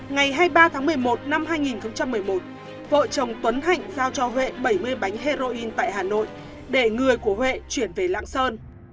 ngày hai mươi ba tháng một mươi một năm hai nghìn một mươi một vợ chồng tuấn hạnh giao cho huệ bảy mươi bánh heroin tại hà nội để người của huệ chuyển về lạng sơn